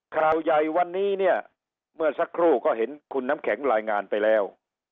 ข่าวใหญ่วันนี้เนี่ยเมื่อสักครู่ก็เห็นคุณน้ำแข็งรายงานไปแล้ว